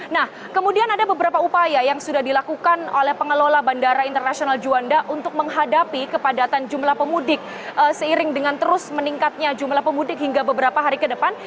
nah kemudian ada beberapa upaya yang sudah dilakukan oleh pengelola bandara internasional juanda untuk menghadapi kepadatan jumlah pemudik seiring dengan terus meningkatnya jumlah pemudik hingga beberapa hari ke depan